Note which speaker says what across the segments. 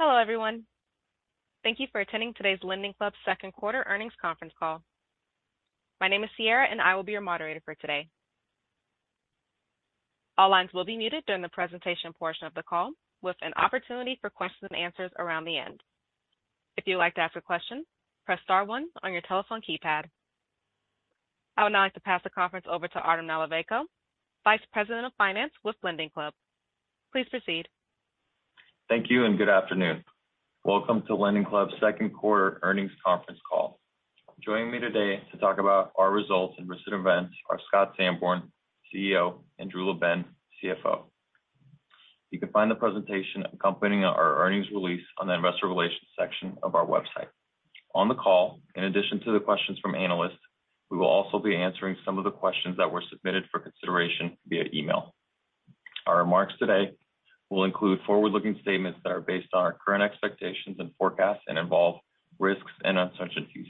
Speaker 1: Hello, everyone. Thank you for attending today's LendingClub second quarter earnings conference call. My name is Sierra, and I will be your moderator for today. All lines will be muted during the presentation portion of the call, with an opportunity for questions and answers around the end. If you'd like to ask a question, press star one on your telephone keypad. I would now like to pass the conference over to Artem Nalivayko, Vice President of Finance with LendingClub. Please proceed.
Speaker 2: Thank you, and good afternoon. Welcome to LendingClub's second quarter earnings conference call. Joining me today to talk about our results and recent events are Scott Sanborn, CEO, and Drew LaBenne, CFO. You can find the presentation accompanying our earnings release on the Investor Relations section of our website. On the call, in addition to the questions from analysts, we will also be answering some of the questions that were submitted for consideration via email. Our remarks today will include forward-looking statements that are based on our current expectations and forecasts and involve risks and uncertainties.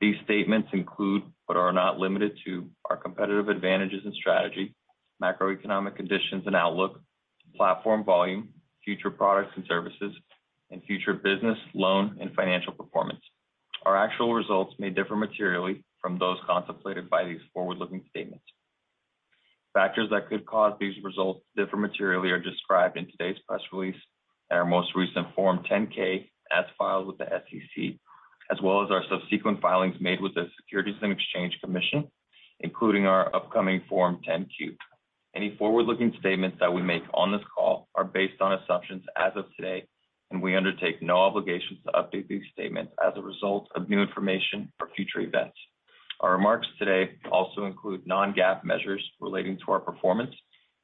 Speaker 2: These statements include, but are not limited to, our competitive advantages and strategy, macroeconomic conditions and outlook, platform volume, future products and services, and future business, loan, and financial performance. Our actual results may differ materially from those contemplated by these forward-looking statements. Factors that could cause these results to differ materially are described in today's press release and our most recent Form 10-K as filed with the SEC, as well as our subsequent filings made with the Securities and Exchange Commission, including our upcoming Form 10-Q. We undertake no obligations to update these statements as a result of new information or future events. Our remarks today also include non-GAAP measures relating to our performance,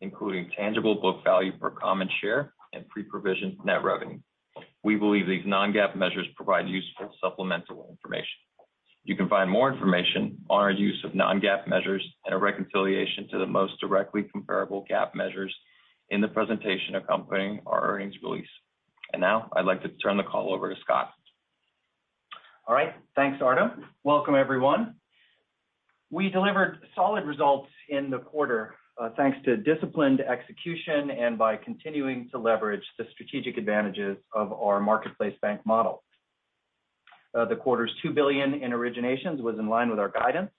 Speaker 2: including tangible book value per common share and pre-provision net revenue. We believe these non-GAAP measures provide useful supplemental information. You can find more information on our use of non-GAAP measures and a reconciliation to the most directly comparable GAAP measures in the presentation accompanying our earnings release. Now, I'd like to turn the call over to Scott.
Speaker 3: All right. Thanks, Artem. Welcome, everyone. We delivered solid results in the quarter, thanks to disciplined execution and by continuing to leverage the strategic advantages of our marketplace bank model. The quarter's $2 billion in originations was in line with our guidance,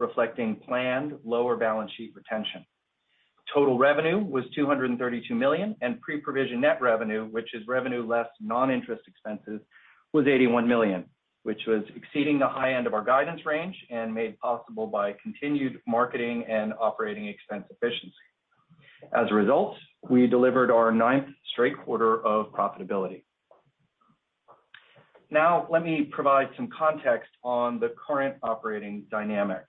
Speaker 3: reflecting planned lower balance sheet retention. Total revenue was $232 million, and pre-provision net revenue, which is revenue less non-interest expenses, was $81 million, which was exceeding the high end of our guidance range and made possible by continued marketing and operating expense efficiency. As a result, we delivered our ninth straight quarter of profitability. Now, let me provide some context on the current operating dynamic.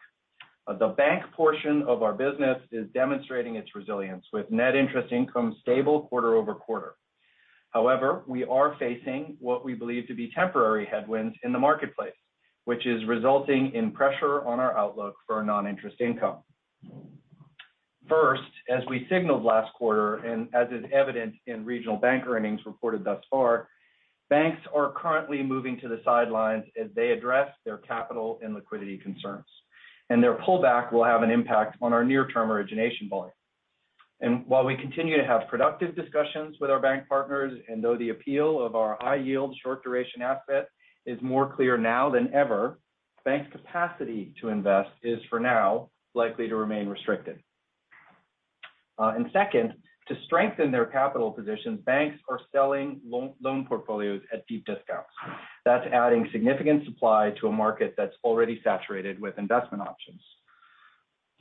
Speaker 3: The bank portion of our business is demonstrating its resilience, with net interest income stable quarter-over-quarter. However, we are facing what we believe to be temporary headwinds in the marketplace, which is resulting in pressure on our outlook for non-interest income. First, as we signaled last quarter, and as is evident in regional bank earnings reported thus far, banks are currently moving to the sidelines as they address their capital and liquidity concerns, and their pullback will have an impact on our near-term origination volume. While we continue to have productive discussions with our bank partners, and though the appeal of our high-yield, short-duration asset is more clear now than ever, banks' capacity to invest is, for now, likely to remain restricted. Second, to strengthen their capital positions, banks are selling loan portfolios at deep discounts. That's adding significant supply to a market that's already saturated with investment options.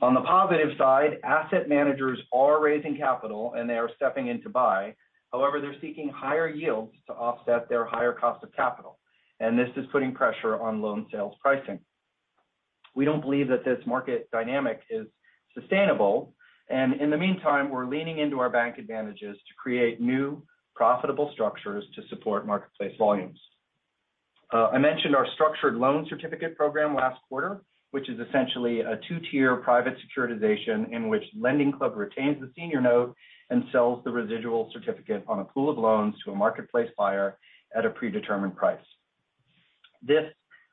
Speaker 3: On the positive side, asset managers are raising capital, and they are stepping in to buy. They're seeking higher yields to offset their higher cost of capital, and this is putting pressure on loan sales pricing. We don't believe that this market dynamic is sustainable, and in the meantime, we're leaning into our bank advantages to create new, profitable structures to support marketplace volumes. I mentioned our structured loan certificate program last quarter, which is essentially a two-tier private securitization in which LendingClub retains the senior note and sells the residual certificate on a pool of loans to a marketplace buyer at a predetermined price. This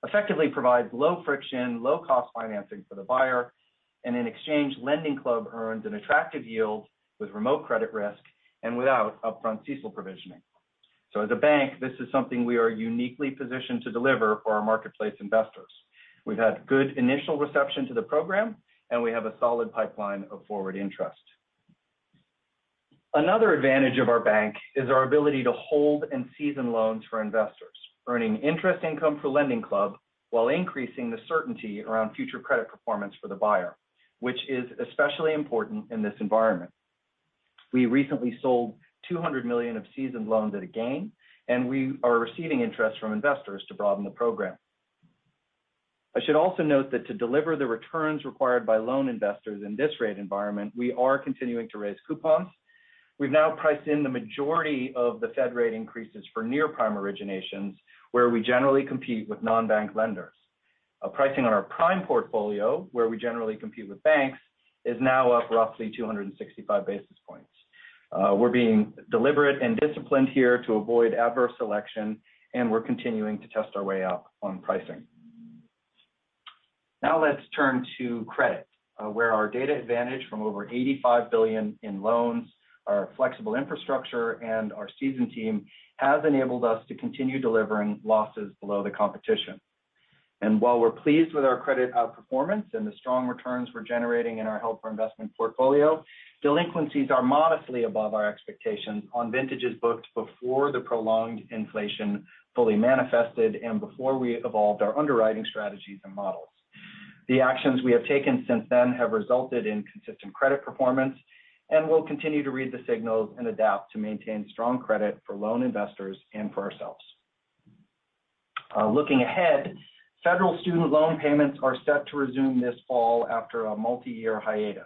Speaker 3: effectively provides low-friction, low-cost financing for the buyer, and in exchange, LendingClub earns an attractive yield with remote credit risk and without upfront CECL provisioning. As a bank, this is something we are uniquely positioned to deliver for our marketplace investors. We've had good initial reception to the program. We have a solid pipeline of forward interest. Another advantage of our bank is our ability to hold and season loans for investors, earning interest income for LendingClub while increasing the certainty around future credit performance for the buyer, which is especially important in this environment. We recently sold $200 million of seasoned loans at a gain. We are receiving interest from investors to broaden the program. I should also note that to deliver the returns required by loan investors in this rate environment, we are continuing to raise coupons. We've now priced in the majority of the Fed rate increases for near-prime originations, where we generally compete with non-bank lenders. Pricing on our prime portfolio, where we generally compete with banks, is now up roughly 265 basis points. We're being deliberate and disciplined here to avoid adverse selection, and we're continuing to test our way up on pricing. Now let's turn to credit, where our data advantage from over 85 billion in loans, our flexible infrastructure, and our seasoned team has enabled us to continue delivering losses below the competition. While we're pleased with our credit outperformance and the strong returns we're generating in our held for investment portfolio, delinquencies are modestly above our expectations on vintages booked before the prolonged inflation fully manifested and before we evolved our underwriting strategies and models. The actions we have taken since then have resulted in consistent credit performance, and we'll continue to read the signals and adapt to maintain strong credit for loan investors and for ourselves. Looking ahead, federal student loan payments are set to resume this fall after a multiyear hiatus.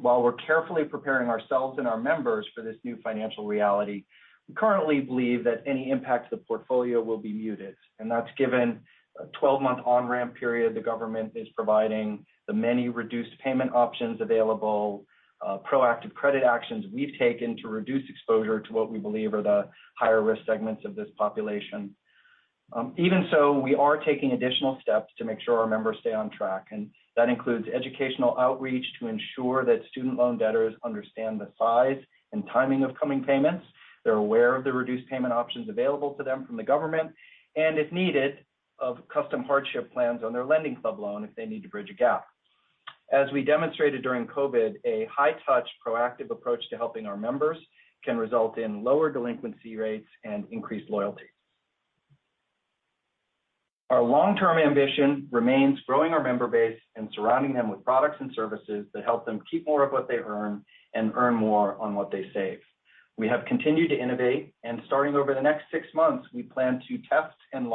Speaker 3: While we're carefully preparing ourselves and our members for this new financial reality, we currently believe that any impact to the portfolio will be muted, and that's given a 12-month on-ramp period the government is providing, the many reduced payment options available, proactive credit actions we've taken to reduce exposure to what we believe are the higher-risk segments of this population. Even so, we are taking additional steps to make sure our members stay on track, that includes educational outreach to ensure that student loan debtors understand the size and timing of coming payments. They're aware of the reduced payment options available to them from the government, and if needed, of custom hardship plans on their LendingClub loan if they need to bridge a gap. As we demonstrated during COVID, a high-touch, proactive approach to helping our members can result in lower delinquency rates and increased loyalty. Our long-term ambition remains growing our member base and surrounding them with products and services that help them keep more of what they earn and earn more on what they save. We have continued to innovate, and starting over the next six months, we plan to test and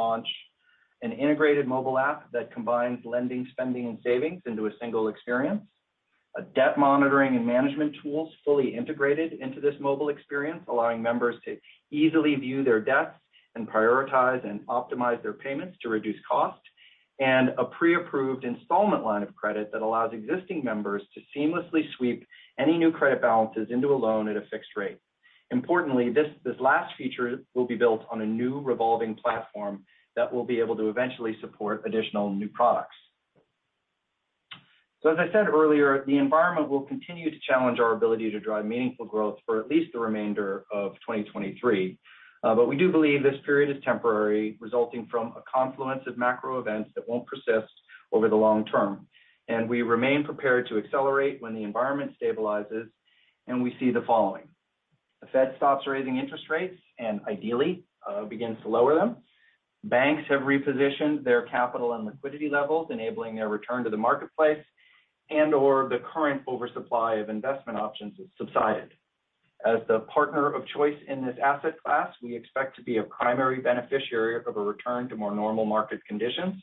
Speaker 3: launch an integrated mobile app that combines lending, spending, and savings into a single experience. A debt monitoring and management tools fully integrated into this mobile experience, allowing members to easily view their debts and prioritize and optimize their payments to reduce cost, and a preapproved installment line of credit that allows existing members to seamlessly sweep any new credit balances into a loan at a fixed rate. Importantly, this last feature will be built on a new revolving platform that will be able to eventually support additional new products. As I said earlier, the environment will continue to challenge our ability to drive meaningful growth for at least the remainder of 2023. We do believe this period is temporary, resulting from a confluence of macro events that won't persist over the long term. We remain prepared to accelerate when the environment stabilizes, and we see the following: the Fed stops raising interest rates and ideally begins to lower them. Banks have repositioned their capital and liquidity levels, enabling their return to the marketplace, and/or the current oversupply of investment options has subsided. As the partner of choice in this asset class, we expect to be a primary beneficiary of a return to more normal market conditions,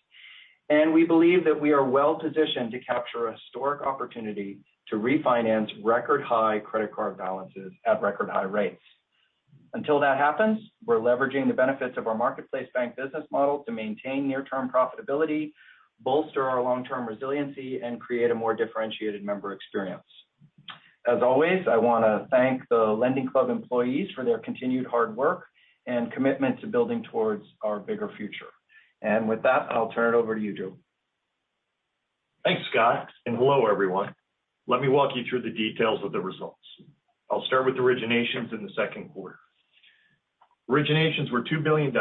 Speaker 3: we believe that we are well positioned to capture a historic opportunity to refinance record-high credit card balances at record-high rates. Until that happens, we're leveraging the benefits of our marketplace bank business model to maintain near-term profitability, bolster our long-term resiliency, and create a more differentiated member experience. As always, I want to thank the LendingClub employees for their continued hard work and commitment to building towards our bigger future. With that, I'll turn it over to you, Drew.
Speaker 4: Thanks, Scott, and hello, everyone. Let me walk you through the details of the results. I'll start with originations in the second quarter. Originations were $2 billion,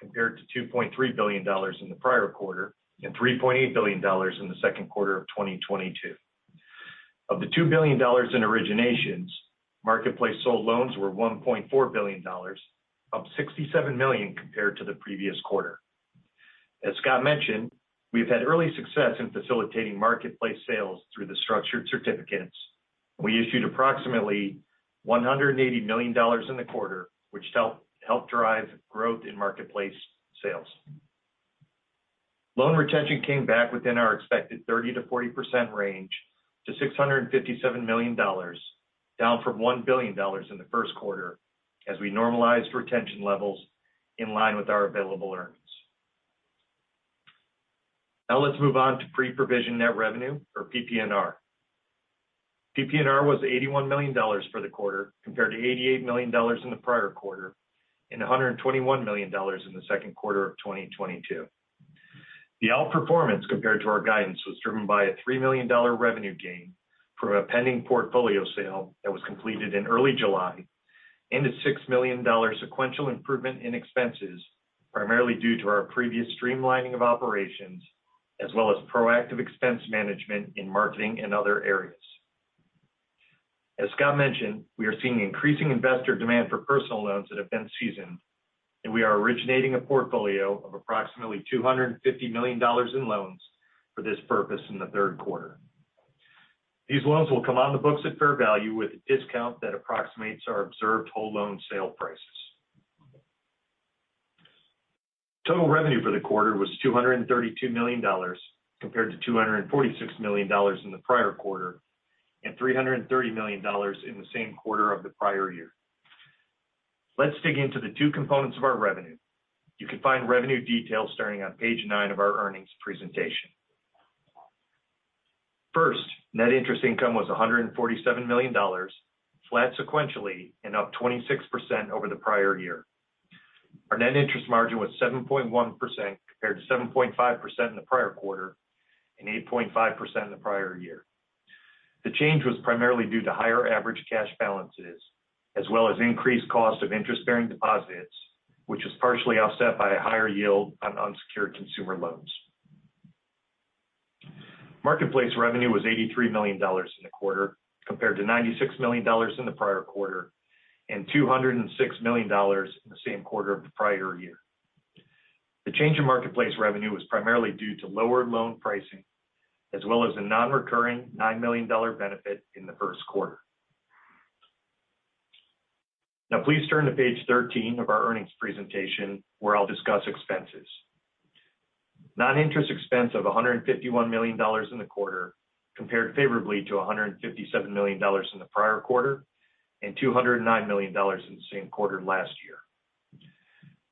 Speaker 4: compared to $2.3 billion in the prior quarter, and $3.8 billion in the second quarter of 2022. Of the $2 billion in originations, marketplace sold loans were $1.4 billion, up $67 million compared to the previous quarter. As Scott mentioned, we've had early success in facilitating marketplace sales through the structured certificates. We issued approximately $180 million in the quarter, which helped drive growth in marketplace sales. Loan retention came back within our expected 30%-40% range to $657 million, down from $1 billion in the first quarter as we normalized retention levels in line with our available earnings. Now let's move on to pre-provision net revenue, or PPNR. PPNR was $81 million for the quarter, compared to $88 million in the prior quarter, and $121 million in the second quarter of 2022. The outperformance compared to our guidance was driven by a $3 million revenue gain from a pending portfolio sale that was completed in early July, and a $6 million sequential improvement in expenses, primarily due to our previous streamlining of operations, as well as proactive expense management in marketing and other areas. As Scott mentioned, we are seeing increasing investor demand for personal loans that have been seasoned, and we are originating a portfolio of approximately $250 million in loans for this purpose in the third quarter. These loans will come on the books at fair value with a discount that approximates our observed whole loan sale prices. Total revenue for the quarter was $232 million, compared to $246 million in the prior quarter, and $330 million in the same quarter of the prior year. Let's dig into the two components of our revenue. You can find revenue details starting on page 9 of our earnings presentation. Net interest income was $147 million, flat sequentially, and up 26% over the prior year. Our net interest margin was 7.1%, compared to 7.5% in the prior quarter, and 8.5% in the prior year. The change was primarily due to higher average cash balances, as well as increased cost of interest-bearing deposits, which was partially offset by a higher yield on unsecured consumer loans. Marketplace revenue was $83 million in the quarter, compared to $96 million in the prior quarter, and $206 million in the same quarter of the prior year. The change in marketplace revenue was primarily due to lower loan pricing, as well as a non-recurring $9 million benefit in the first quarter. Now please turn to page 13 of our earnings presentation, where I'll discuss expenses. Non-interest expense of $151 million in the quarter compared favorably to $157 million in the prior quarter, and $209 million in the same quarter last year.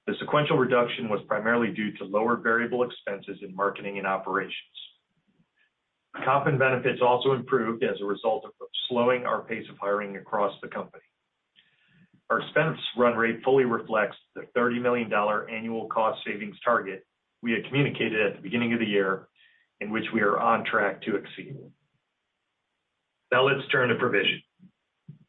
Speaker 4: The sequential reduction was primarily due to lower variable expenses in marketing and operations. Comp and benefits also improved as a result of slowing our pace of hiring across the company. Our expense run rate fully reflects the $30 million annual cost savings target we had communicated at the beginning of the year, in which we are on track to exceed. Let's turn to provision.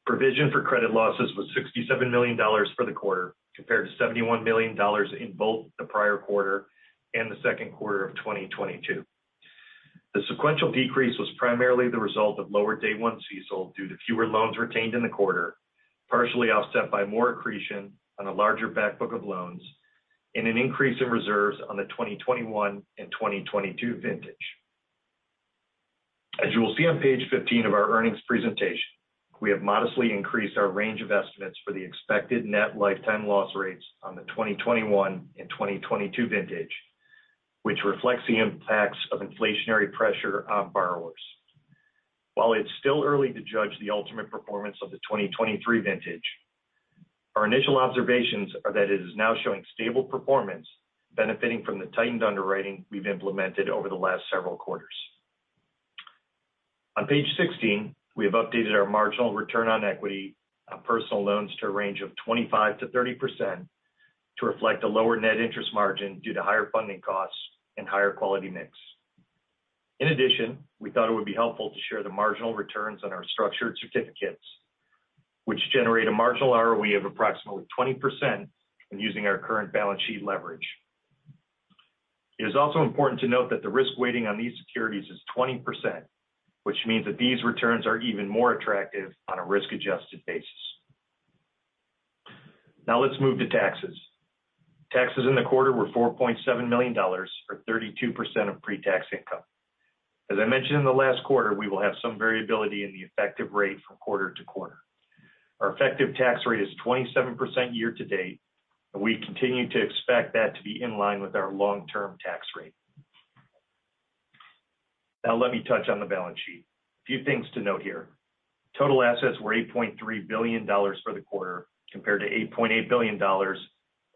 Speaker 4: Provision for credit losses was $67 million for the quarter, compared to $71 million in both the prior quarter and the second quarter of 2022. The sequential decrease was primarily the result of lower day one CECL due to fewer loans retained in the quarter, partially offset by more accretion on a larger back book of loans and an increase in reserves on the 2021 and 2022 vintage. As you will see on page 15 of our earnings presentation, we have modestly increased our range of estimates for the expected net lifetime loss rates on the 2021 and 2022 vintage, which reflects the impacts of inflationary pressure on borrowers. While it's still early to judge the ultimate performance of the 2023 vintage, our initial observations are that it is now showing stable performance, benefiting from the tightened underwriting we've implemented over the last several quarters. On page 16, we have updated our marginal return on equity on personal loans to a range of 25%-30% to reflect a lower net interest margin due to higher funding costs and higher quality mix. In addition, we thought it would be helpful to share the marginal returns on our structured certificates, which generate a marginal ROE of approximately 20% when using our current balance sheet leverage. It is also important to note that the risk weighting on these securities is 20%, which means that these returns are even more attractive on a risk-adjusted basis. Let's move to taxes. Taxes in the quarter were $4.7 million, or 32% of pre-tax income. As I mentioned in the last quarter, we will have some variability in the effective rate from quarter to quarter. Our effective tax rate is 27% year to date, we continue to expect that to be in line with our long-term tax rate. Let me touch on the balance sheet. A few things to note here. Total assets were $8.3 billion for the quarter, compared to $8.8 billion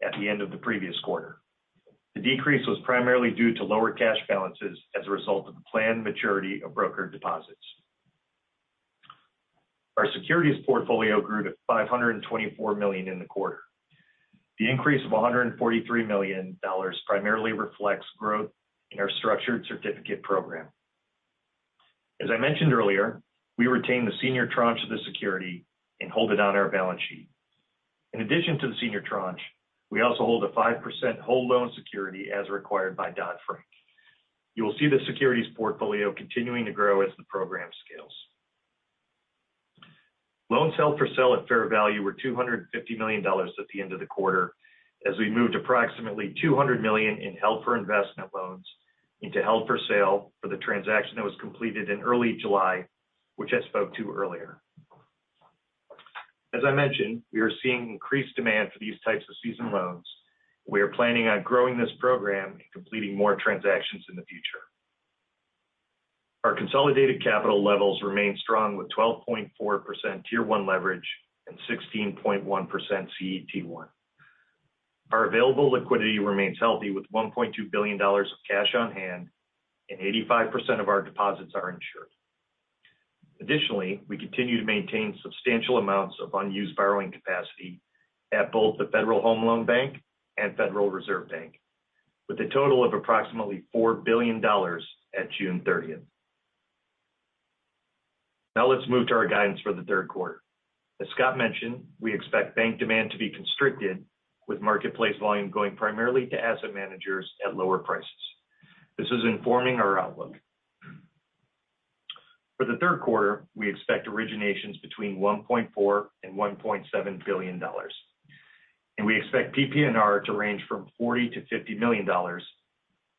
Speaker 4: at the end of the previous quarter. The decrease was primarily due to lower cash balances as a result of the planned maturity of brokered deposits. Our securities portfolio grew to $524 million in the quarter. The increase of $143 million primarily reflects growth in our structured certificate program. As I mentioned earlier, we retain the senior tranche of the security and hold it on our balance sheet. In addition to the senior tranche, we also hold a 5% whole loan security as required by Dodd-Frank. You will see the securities portfolio continuing to grow as the program scales. Loans held for sale at fair value were $250 million at the end of the quarter, as we moved approximately $200 million in held for investment loans into held for sale for the transaction that was completed in early July, which I spoke to earlier. As I mentioned, we are seeing increased demand for these types of season loans. We are planning on growing this program and completing more transactions in the future. Our consolidated capital levels remain strong, with 12.4% Tier 1 leverage and 16.1% CET1. Our available liquidity remains healthy, with $1.2 billion of cash on hand and 85% of our deposits are insured. We continue to maintain substantial amounts of unused borrowing capacity at both the Federal Home Loan Bank and Federal Reserve Bank, with a total of approximately $4 billion at June thirtieth. Let's move to our guidance for the third quarter. As Scott mentioned, we expect bank demand to be constricted, with marketplace volume going primarily to asset managers at lower prices. This is informing our outlook. For the third quarter, we expect originations between $1.4 billion and $1.7 billion, and we expect PPNR to range from $40 million-$50 million,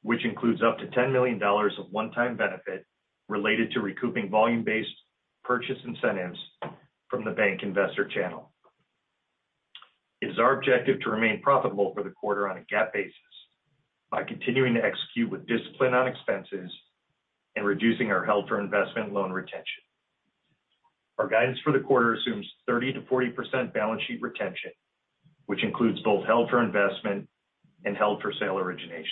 Speaker 4: which includes up to $10 million of one-time benefit related to recouping volume-based purchase incentives from the bank investor channel. It is our objective to remain profitable for the quarter on a GAAP basis by continuing to execute with discipline on expenses and reducing our held for investment loan retention. Our guidance for the quarter assumes 30%-40% balance sheet retention, which includes both held for investment and held for sale originations.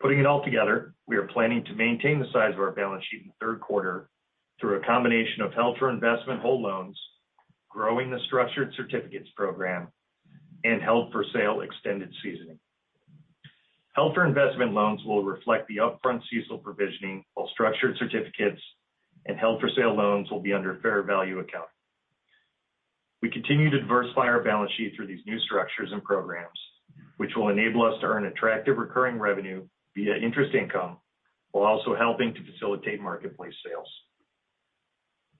Speaker 4: Putting it all together, we are planning to maintain the size of our balance sheet in the third quarter through a combination of held for investment hold loans, growing the structured certificates program, and held for sale extended seasoning. Held for investment loans will reflect the upfront CECL provisioning, while structured certificates and held for sale loans will be under fair value accounting. We continue to diversify our balance sheet through these new structures and programs, which will enable us to earn attractive recurring revenue via interest income, while also helping to facilitate marketplace sales.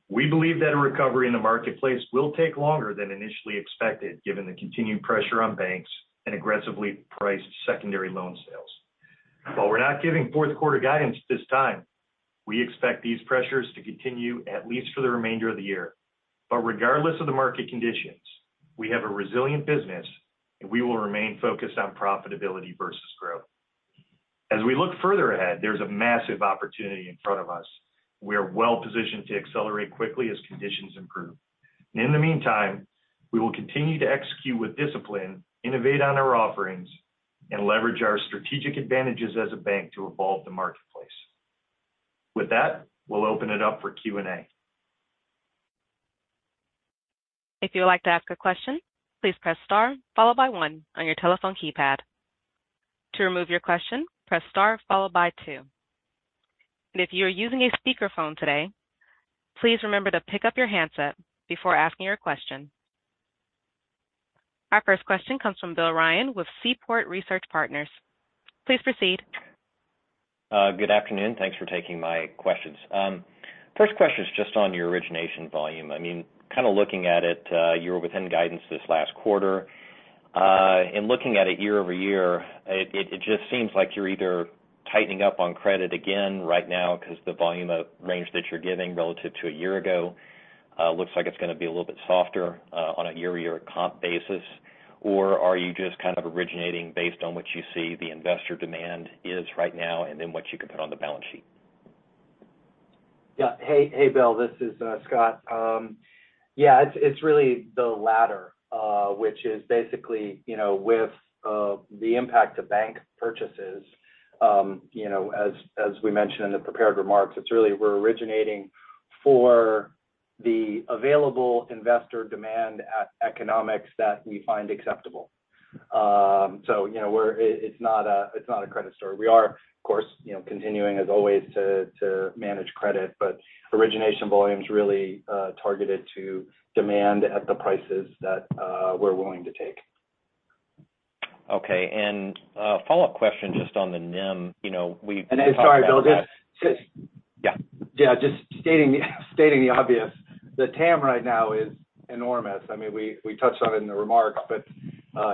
Speaker 4: We believe that a recovery in the marketplace will take longer than initially expected, given the continued pressure on banks and aggressively priced secondary loan sales. While we're not giving fourth quarter guidance at this time, we expect these pressures to continue at least for the remainder of the year. Regardless of the market conditions, we have a resilient business, and we will remain focused on profitability versus growth. As we look further ahead, there's a massive opportunity in front of us. We are well-positioned to accelerate quickly as conditions improve. In the meantime, we will continue to execute with discipline, innovate on our offerings, and leverage our strategic advantages as a bank to evolve the marketplace. With that, we'll open it up for Q&A.
Speaker 1: If you would like to ask a question, please press star followed by one on your telephone keypad. To remove your question, press star followed by two. If you are using a speakerphone today, please remember to pick up your handset before asking your question. Our first question comes from Bill Ryan with Seaport Research Partners. Please proceed.
Speaker 5: Good afternoon. Thanks for taking my questions. First question is just on your origination volume. I mean, kind of looking at it, you were within guidance this last quarter. And looking at it year-over-year, it just seems like you're either tightening up on credit again right now because the volume of range that you're giving relative to a year ago, looks like it's going to be a little bit softer on a year-over-year comp basis, or are you just kind of originating based on what you see the investor demand is right now and then what you can put on the balance sheet?
Speaker 3: Hey, hey, Bill, this is Scott. It's, it's really the latter, which is basically, you know, with the impact of bank purchases, you know, as we mentioned in the prepared remarks, it's really we're originating for the available investor demand at economics that we find acceptable. You know, it's not a, it's not a credit story. We are, of course, you know, continuing as always, to manage credit, origination volume is really targeted to demand at the prices that we're willing to take.
Speaker 5: Okay. A follow-up question just on the NIM. You know.
Speaker 3: Sorry, Bill.
Speaker 5: Yeah.
Speaker 3: Yeah, just stating the obvious. The TAM right now is enormous. I mean, we touched on it in the remarks, but,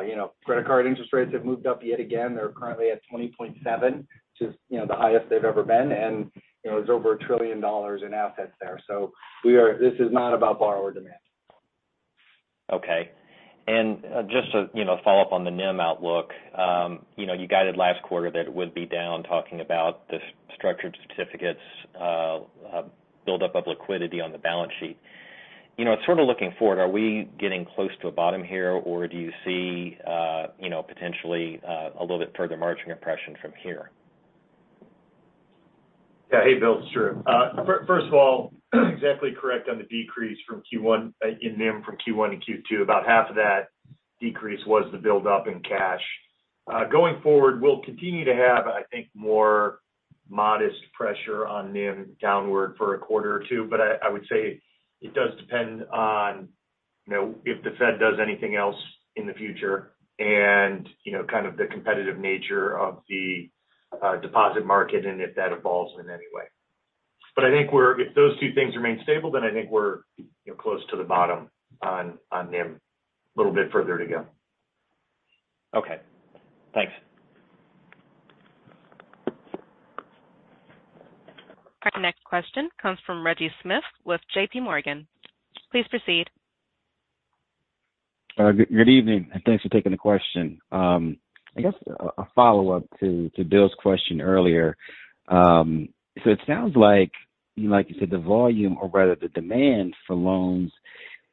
Speaker 3: you know, credit card interest rates have moved up yet again. They're currently at 20.7%, which is, you know, the highest they've ever been, and, you know, there's over $1 trillion in assets there. This is not about borrower demand.
Speaker 5: Okay. Just to, you know, follow up on the NIM outlook, you know, you guided last quarter that it would be down, talking about the structured certificates, buildup of liquidity on the balance sheet. You know, sort of looking forward, are we getting close to a bottom here, or do you see, you know, potentially, a little bit further margin compression from here?
Speaker 4: Yeah. Hey, Bill, it's Drew. First of all, exactly correct on the decrease from Q1, in NIM from Q1 to Q2. About half of that decrease was the buildup in cash. Going forward, we'll continue to have, I think, more modest pressure on NIM downward for a quarter or two, I would say it does depend on, you know, if the Fed does anything else in the future and, you know, kind of the competitive nature of the deposit market and if that evolves in any way. I think we're if those two things remain stable, then I think we're, you know, close to the bottom on NIM. A little bit further to go.
Speaker 5: Okay, thanks.
Speaker 1: Our next question comes from Reggie Smith with JPMorgan. Please proceed.
Speaker 6: Good evening, thanks for taking the question. I guess a follow-up to Bill's question earlier. It sounds like you said, the volume or rather the demand for loans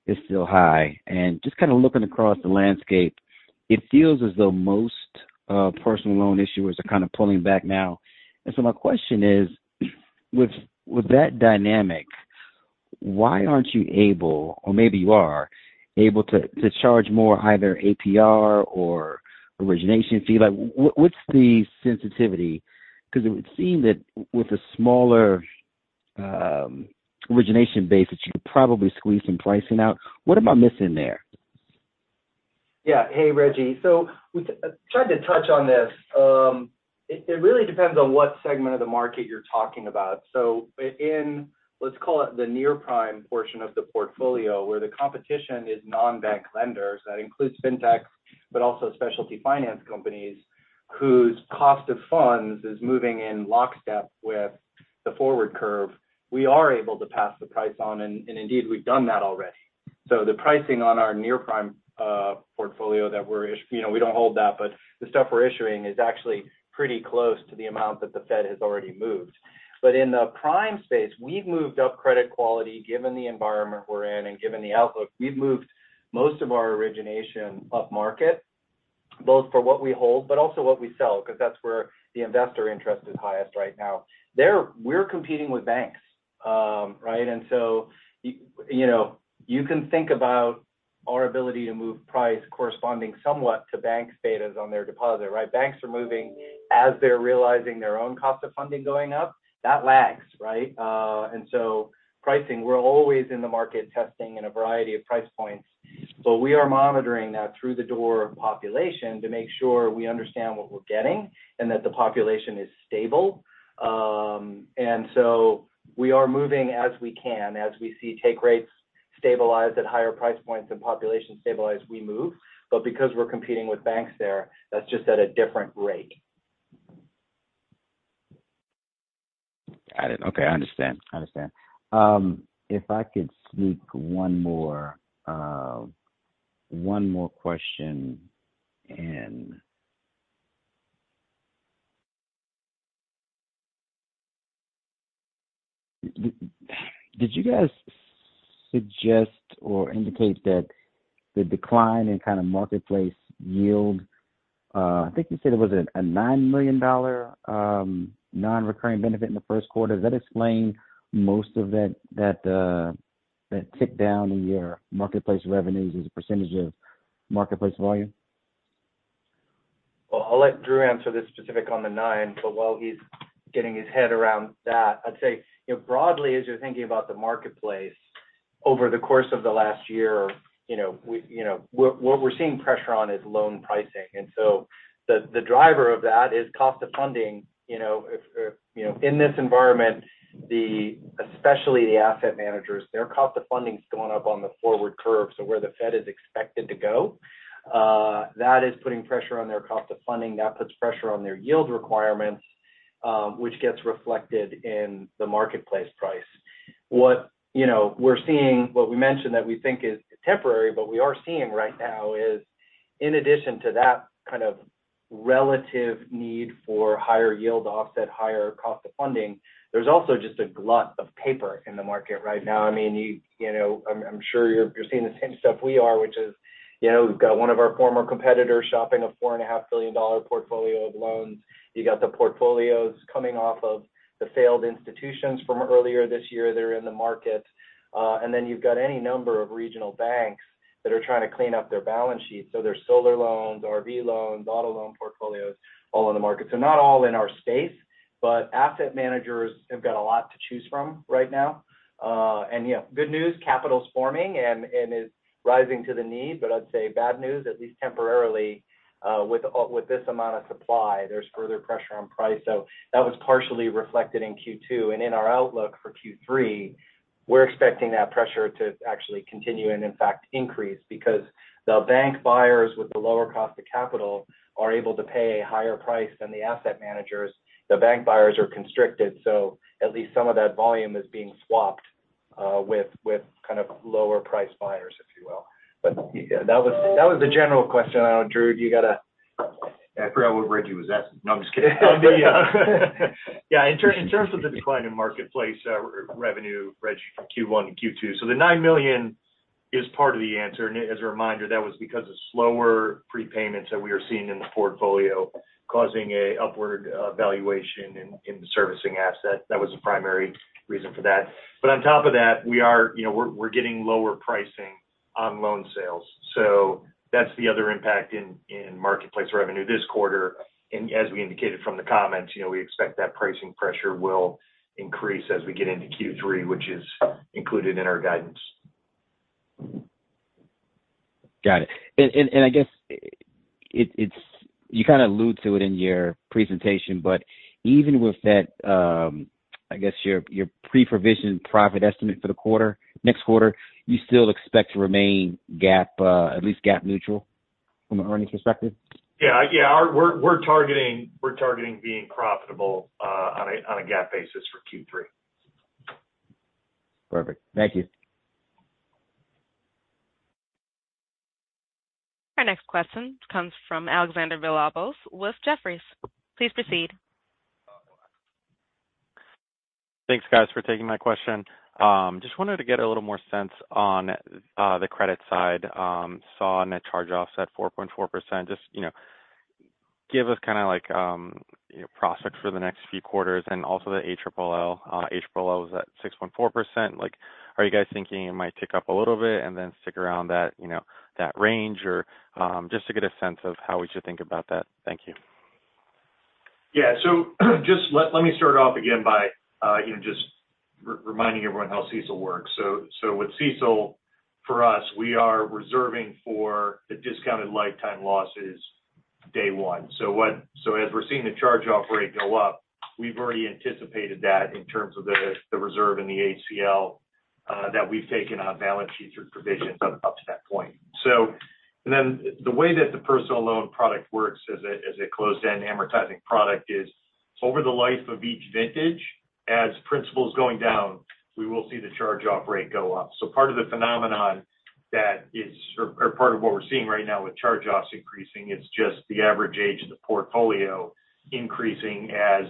Speaker 6: is still high. Just kind of looking across the landscape, it feels as though most personal loan issuers are kind of pulling back now. My question is: with that dynamic, why aren't you able, or maybe you are, able to charge more, either APR or origination fee? Like, what's the sensitivity? Because it would seem that with a smaller origination base, that you could probably squeeze some pricing out. What am I missing there?
Speaker 3: Yeah. Hey, Reggie. We tried to touch on this. It really depends on what segment of the market you're talking about. In, let's call it the near-prime portion of the portfolio, where the competition is non-bank lenders, that includes Fintechs, but also specialty finance companies, whose cost of funds is moving in lockstep with the forward curve, we are able to pass the price on, and indeed, we've done that already. The pricing on our near-prime portfolio that we're you know, we don't hold that, but the stuff we're issuing is actually pretty close to the amount that the Fed has already moved. In the prime space, we've moved up credit quality, given the environment we're in and given the outlook. We've moved most of our origination upmarket, both for what we hold, but also what we sell, because that's where the investor interest is highest right now. There, we're competing with banks, right? You know, you can think about our ability to move price corresponding somewhat to banks' betas on their deposit, right? Banks are moving as they're realizing their own cost of funding going up. That lags, right? Pricing, we're always in the market testing in a variety of price points. We are monitoring that through the door of population to make sure we understand what we're getting and that the population is stable. We are moving as we can. As we see take rates stabilize at higher price points and population stabilize, we move. Because we're competing with banks there, that's just at a different rate.
Speaker 6: Got it. Okay, I understand. I understand. If I could sneak one more, one more question in. Did you guys suggest or indicate that the decline in kind of marketplace yield, I think you said it was a $9 million non-recurring benefit in the first quarter? Does that explain most of that tick down in your marketplace revenues as a percentage of marketplace volume?
Speaker 3: I'll let Drew answer this specific on the 9, but while he's getting his head around that, I'd say, you know, broadly, as you're thinking about the marketplace over the course of the last year, you know, what we're seeing pressure on is loan pricing, the driver of that is cost of funding. You know, if, you know, in this environment, especially the asset managers, their cost of funding is going up on the forward curve, so where the Fed is expected to go. That is putting pressure on their cost of funding. That puts pressure on their yield requirements, which gets reflected in the marketplace price. What, you know, we're seeing, what we mentioned that we think is temporary, but we are seeing right now is in addition to that kind of relative need for higher yield to offset higher cost of funding, there's also just a glut of paper in the market right now. I mean, you know, I'm sure you're seeing the same stuff we are, which is, you know, we've got one of our former competitors shopping a $4.5 billion portfolio of loans. You got the portfolios coming off of the failed institutions from earlier this year, they're in the market. You've got any number of regional banks that are trying to clean up their balance sheet. There's solar loans, RV loans, auto loan portfolios, all in the market. Not all in our space, but asset managers have got a lot to choose from right now. You know, good news, capital's forming and is rising to the need. I'd say bad news, at least temporarily, with this amount of supply, there's further pressure on price. That was partially reflected in Q2. In our outlook for Q3, we're expecting that pressure to actually continue and, in fact, increase because the bank buyers with the lower cost of capital are able to pay a higher price than the asset managers. The bank buyers are constricted, so at least some of that volume is being swapped with kind of lower-priced buyers, if you will. Yeah, that was the general question. I don't know, Drew, do you got a.
Speaker 4: I forgot what Reggie was asking. No, I'm just kidding. Yeah, in terms of the decline in marketplace revenue, Reggie, from Q1 to Q2, the $9 million is part of the answer. As a reminder, that was because of slower prepayments that we are seeing in the portfolio, causing a upward valuation in the servicing asset. That was the primary reason for that. On top of that, we are, you know, we're getting lower pricing on loan sales, that's the other impact in marketplace revenue this quarter. As we indicated from the comments, you know, we expect that pricing pressure will increase as we get into Q3, which is included in our guidance.
Speaker 6: Got it. I guess it's you kind of allude to it in your presentation, but even with that, I guess your pre-provision profit estimate for the quarter, next quarter, you still expect to remain GAAP, at least GAAP neutral from an earnings perspective?
Speaker 4: Yeah. Yeah, we're targeting being profitable on a GAAP basis for Q3.
Speaker 6: Perfect. Thank you.
Speaker 1: Our next question comes from Alexander Villalobos with Jefferies. Please proceed.
Speaker 7: Thanks, guys, for taking my question. Just wanted to get a little more sense on the credit side. Saw net charge-offs at 4.4%. Just, you know, give us kind of like, you know, prospects for the next few quarters and also the ALL. ALL was at 6.4%. Like, are you guys thinking it might tick up a little bit and then stick around that, you know, that range? Or, just to get a sense of how we should think about that. Thank you.
Speaker 4: Yeah. Just let me start off again by, you know, reminding everyone how CECL works. With CECL, for us, we are reserving for the discounted lifetime losses day one. As we're seeing the charge-off rate go up, we've already anticipated that in terms of the reserve and the ACL that we've taken on our balance sheet through provisions up to that point. Then the way that the personal loan product works as a closed-end amortizing product is over the life of each vintage, as principal's going down, we will see the charge-off rate go up. Part of the phenomenon that is, or part of what we're seeing right now with charge-offs increasing is just the average age of the portfolio increasing as,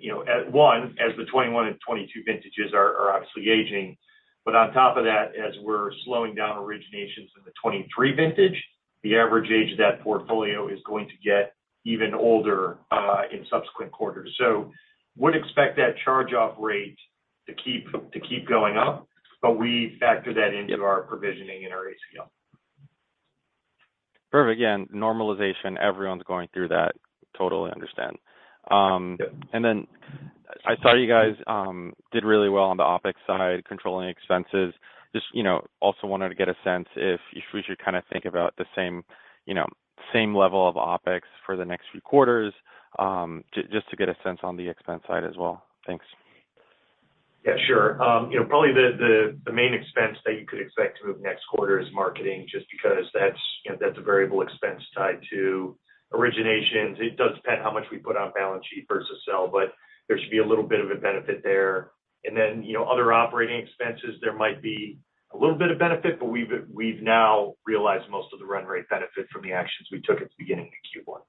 Speaker 4: you know, as the 21 and 22 vintages are obviously aging. On top of that, as we're slowing down originations in the 23 vintage, the average age of that portfolio is going to get even older in subsequent quarters. Would expect that charge-off rate to keep going up, but we factor that into our provisioning and our ACL.
Speaker 7: Perfect. Again, normalization, everyone's going through that. Totally understand.
Speaker 3: Yeah.
Speaker 7: I saw you guys did really well on the OpEx side, controlling expenses. Just, you know, also wanted to get a sense if we should kind of think about the same, you know, same level of OpEx for the next few quarters, just to get a sense on the expense side as well. Thanks.
Speaker 4: Yeah, sure. you know, probably the main expense that you could expect to move next quarter is marketing, just because that's, you know, that's a variable expense tied to originations. It does depend how much we put on balance sheet versus sell, but there should be a little bit of a benefit there. Then, you know, other operating expenses, there might be a little bit of benefit, but we've now realized most of the run rate benefit from the actions we took at the beginning of Q1.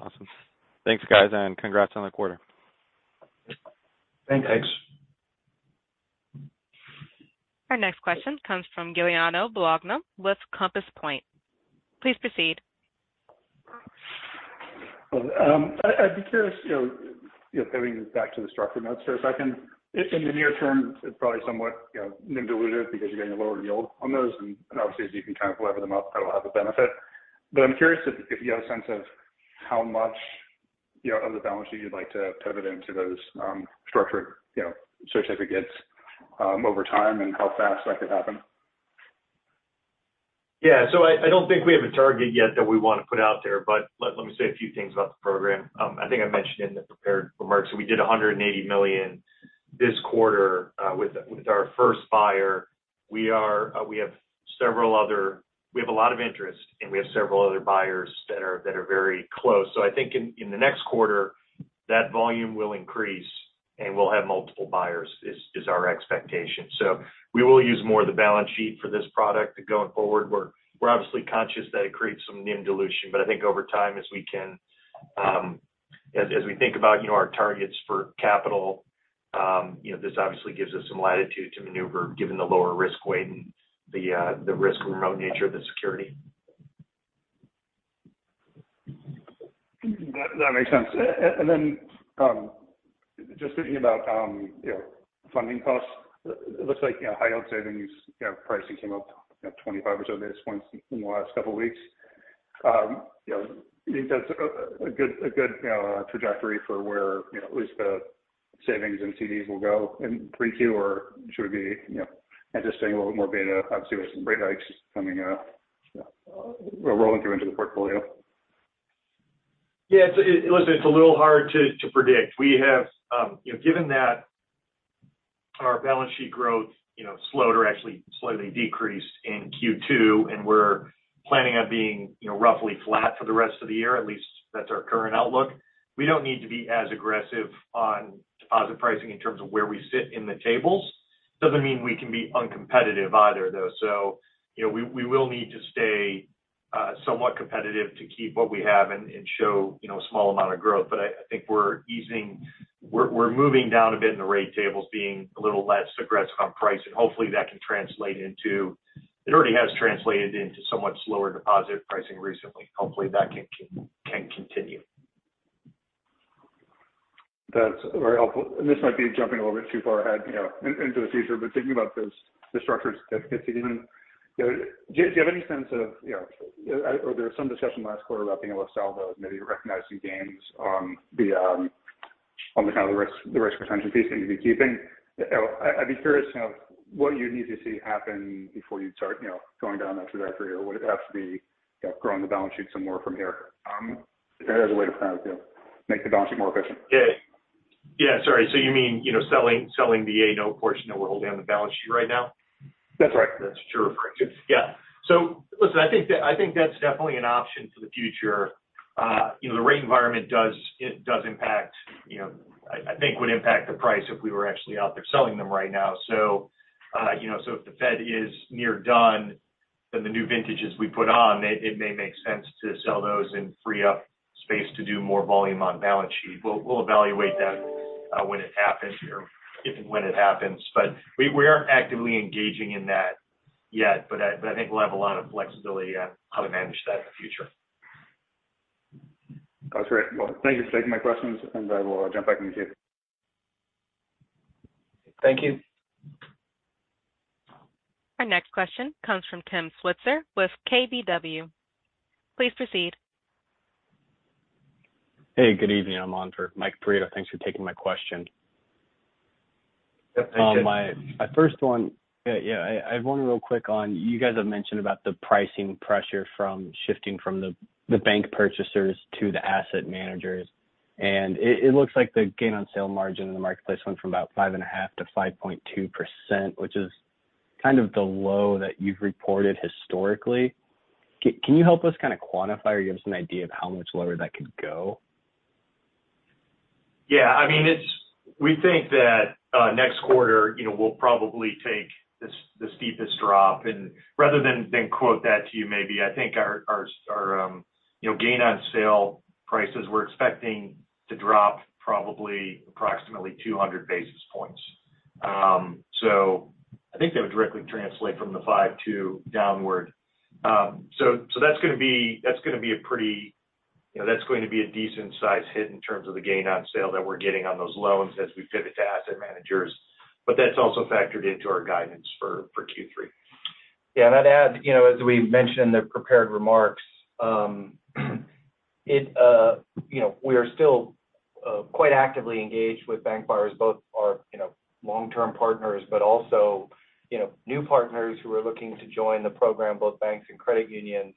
Speaker 7: Okay. Awesome. Thanks, guys. Congrats on the quarter.
Speaker 4: Thanks.
Speaker 1: Our next question comes from Giuliano Bologna with Compass Point. Please proceed.
Speaker 8: I'd be curious, you know, going back to the structured notes for a second. In, in the near term, it's probably somewhat, you know, NIM diluted because you're getting a lower yield on those, and obviously, as you can kind of lever them up, that'll have a benefit. I'm curious if you have a sense of how much, you know, of the balance sheet you'd like to pivot into those, structured, you know, certificates over time, and how fast that could happen?
Speaker 4: Yeah, I don't think we have a target yet that we want to put out there, but let me say a few things about the program. I think I mentioned in the prepared remarks, we did $180 million this quarter with our first buyer. We have a lot of interest, and we have several other buyers that are very close. I think in the next quarter, that volume will increase, and we'll have multiple buyers, is our expectation. We will use more of the balance sheet for this product going forward. We're obviously conscious that it creates some NIM dilution, but I think over time, as we can, as we think about, you know, our targets for capital, you know, this obviously gives us some latitude to maneuver, given the lower risk weight and the risk remote nature of the security.
Speaker 8: That makes sense. Then, just thinking about, you know, funding costs, it looks like, you know, high yield savings, you know, pricing came up, you know, 25 or so basis points in the last couple of weeks. You know, do you think that's a good, a good, you know, trajectory for where, you know, at least the savings and CDs will go in 3Q, or should we be, you know, anticipating a little more beta, obviously, with some rate hikes coming, or rolling through into the portfolio?
Speaker 4: Yeah, it's, listen, it's a little hard to predict. We have, you know, given that our balance sheet growth, you know, slowed or actually slightly decreased in Q2, and we're planning on being, you know, roughly flat for the rest of the year, at least that's our current outlook. We don't need to be as aggressive on deposit pricing in terms of where we sit in the tables. Doesn't mean we can be uncompetitive either, though. You know, we will need to stay somewhat competitive to keep what we have and show, you know, a small amount of growth. I think we're moving down a bit in the rate tables, being a little less aggressive on price, and hopefully, that can translate into it already has translated into somewhat slower deposit pricing recently. Hopefully, that can continue.
Speaker 8: That's very helpful. This might be jumping a little bit too far ahead, you know, into the future, but thinking about those, the structures that fits in, you know, do you, do you have any sense of, you know, or there was some discussion last quarter about being able to sell those, maybe recognize some gains on the kind of the risk retention piece that you'd be keeping? I'd be curious, you know, what you need to see happen before you'd start, you know, going down that trajectory, or would it have to be, you know, growing the balance sheet some more from here? If there's a way to kind of, you know, make the balance sheet more efficient.
Speaker 4: Yeah. Yeah, sorry. You mean, you know, selling the A note portion that we're holding on the balance sheet right now?
Speaker 8: That's right.
Speaker 4: That's true. Correct. Yeah. listen, I think that, I think that's definitely an option for the future. you know, the rate environment it does impact, you know, I think would impact the price if we were actually out there selling them right now. you know, if the Fed is near done, then the new vintages we put on, it may make sense to sell those and free up space to do more volume on balance sheet. We'll evaluate that, when it happens or if and when it happens. we aren't actively engaging in that yet, but I think we'll have a lot of flexibility on how to manage that in the future.
Speaker 8: That's great. Well, thank you for taking my questions, and I will jump back in the queue.
Speaker 4: Thank you.
Speaker 1: Our next question comes from Tim Switzer with KBW. Please proceed.
Speaker 9: Hey, good evening. I'm on for Mike Perito. Thanks for taking my question.
Speaker 4: Yeah, thank you.
Speaker 9: My first one, yeah, I want to real quick on, you guys have mentioned about the pricing pressure from shifting from the bank purchasers to the asset managers. It looks like the gain on sale margin in the marketplace went from about 5.5% to 5.2%, which is kind of the low that you've reported historically. Can you help us kind of quantify or give us an idea of how much lower that could go?
Speaker 4: Yeah. I mean, it's we think that next quarter, you know, we'll probably take the steepest drop. Rather than then quote that to you, maybe I think our, you know, gain on sale prices, we're expecting to drop probably approximately 200 basis points. I think that would directly translate from the 5.2 downward. That's gonna be a pretty, you know, that's gonna be a decent sized hit in terms of the gain on sale that we're getting on those loans as we pivot to asset managers. That's also factored into our guidance for Q3.
Speaker 3: Yeah, and I'd add, you know, as we mentioned in the prepared remarks, it, you know, we are still quite actively engaged with bank buyers, both our, you know, long-term partners, but also, you know, new partners who are looking to join the program. Both banks and credit unions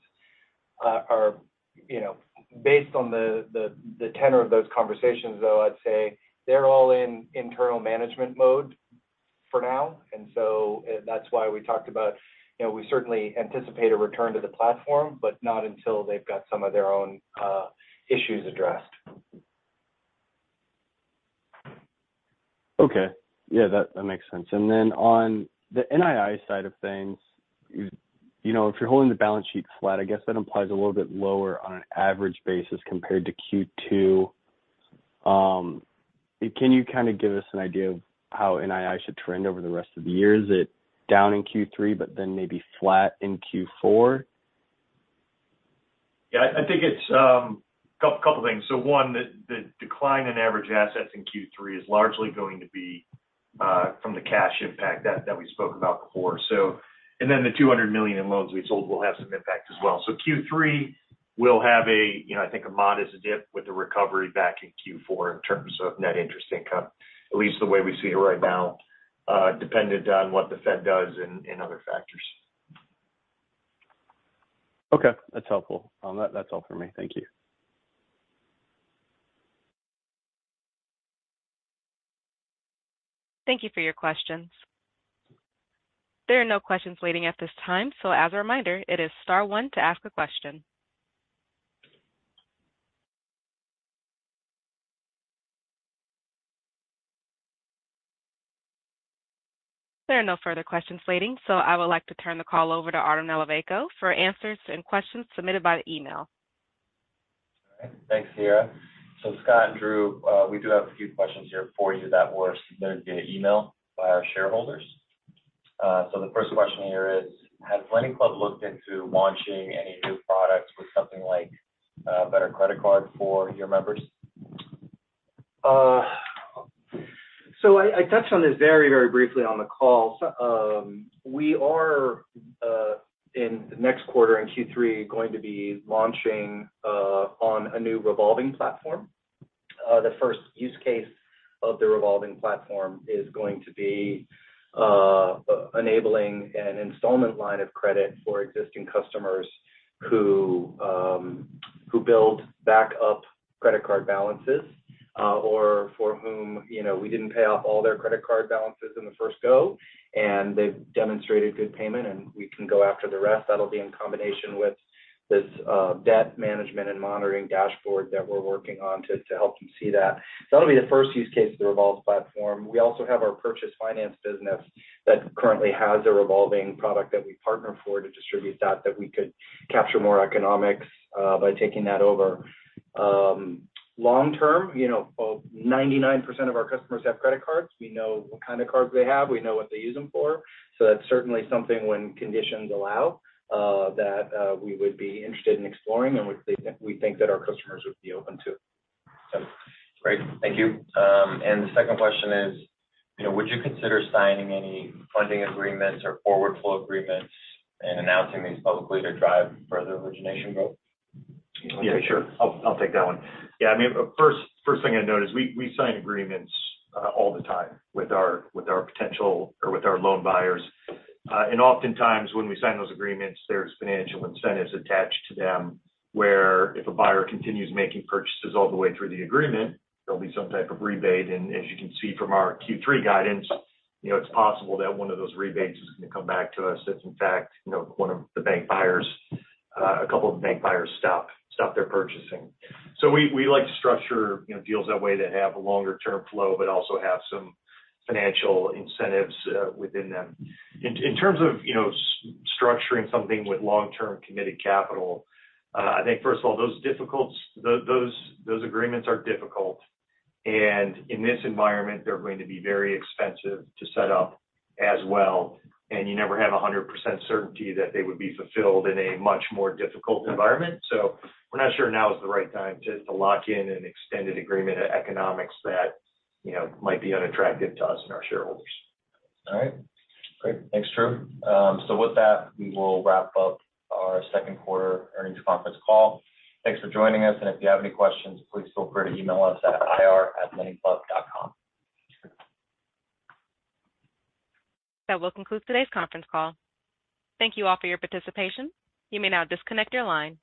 Speaker 3: are, you know, based on the tenor of those conversations, though, I'd say they're all in internal management mode for now. That's why we talked about, you know, we certainly anticipate a return to the platform, but not until they've got some of their own issues addressed.
Speaker 9: Okay. Yeah, that makes sense. On the NII side of things, you know, if you're holding the balance sheet flat, I guess that implies a little bit lower on an average basis compared to Q2. Can you kind of give us an idea of how NII should trend over the rest of the year? Is it down in Q3, but then maybe flat in Q4?
Speaker 4: Yeah, I think it's a couple things. One, the decline in average assets in Q3 is largely going to be from the cash impact that we spoke about before. The $200 million in loans we sold will have some impact as well. Q3 will have a, you know, I think a modest dip with the recovery back in Q4 in terms of net interest income, at least the way we see it right now, dependent on what the Fed does and other factors.
Speaker 9: Okay. That's helpful. That's all for me. Thank you.
Speaker 1: Thank you for your questions. There are no questions waiting at this time. As a reminder, it is star one to ask a question. There are no further questions waiting. I would like to turn the call over to Artem Nalivayko for answers and questions submitted by the email.
Speaker 2: All right. Thanks, Sierra. Scott and Drew, we do have a few questions here for you that were submitted via email by our shareholders. The first question here is: Has LendingClub looked into launching any new products with something like, better credit card for your members?
Speaker 3: I touched on this very, very briefly on the call. We are in the next quarter, in Q3, going to be launching on a new revolving platform. The first use case of the revolving platform is going to be enabling an installment line of credit for existing customers who build back up credit card balances, or for whom, you know, we didn't pay off all their credit card balances in the first go, and they've demonstrated good payment, and we can go after the rest. That'll be in combination with this debt management and monitoring dashboard that we're working on to help you see that. That'll be the first use case of the revolves platform. We also have our purchase finance business that currently has a revolving product that we partner for to distribute that we could capture more economics by taking that over. Long term, you know, 99% of our customers have credit cards. We know what kind of cards they have, we know what they use them for. That's certainly something, when conditions allow, that we would be interested in exploring, and we think that our customers would be open to.
Speaker 2: Great. Thank you. The second question is, you know, would you consider signing any funding agreements or forward flow agreements and announcing these publicly to drive further origination growth?
Speaker 4: Sure. I'll take that one. I mean, first thing I'd note is we sign agreements all the time with our potential or with our loan buyers. Oftentimes when we sign those agreements, there's financial incentives attached to them, where if a buyer continues making purchases all the way through the agreement, there'll be some type of rebate. As you can see from our Q3 guidance, you know, it's possible that one of those rebates is going to come back to us. If in fact, you know, one of the bank buyers, a couple of the bank buyers stop their purchasing. We like to structure, you know, deals that way that have a longer term flow, but also have some financial incentives within them. In terms of, you know, structuring something with long-term committed capital, I think, first of all, those agreements are difficult, and in this environment, they're going to be very expensive to set up as well, and you never have 100% certainty that they would be fulfilled in a much more difficult environment. We're not sure now is the right time to lock in an extended agreement of economics that, you know, might be unattractive to us and our shareholders.
Speaker 2: All right. Great. Thanks, Drew. With that, we will wrap up our second quarter earnings conference call. Thanks for joining us, and if you have any questions, please feel free to email us at ir@lendingclub.com.
Speaker 1: That will conclude today's conference call. Thank you all for your participation. You may now disconnect your line.